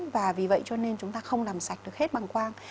và vì vậy cho nên chúng ta không làm sạch được hết bằng quang